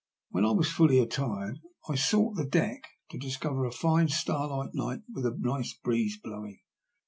When I was fully attired I sought the deck, to discover a fine starlight night with a nice breeze blowing.